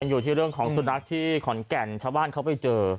อยู่ที่เรื่องของสุนัขที่ขอนแก่นชาวบ้านเขาไปเจอ